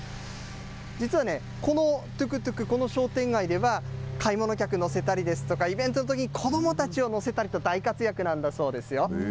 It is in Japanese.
実はこのトゥクトゥク、この商店街では、買い物客を乗せたりですとか、イベントのときに子どもたちを乗せたりとか、大活躍なんだそうですよ。